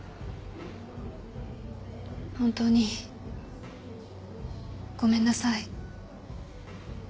本当にごめんなさい。